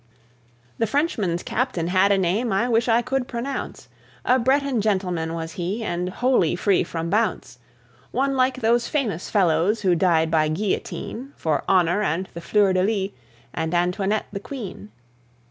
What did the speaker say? The Frenchmen's captain had a name I wish I could pronounce; A Breton gentleman was he, and wholly free from bounce, One like those famous fellows who died by guillotine For honour and the fleur de lys, and Antoinette the Queen.